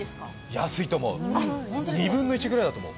安いと思う、２分の１ぐらいだと思う。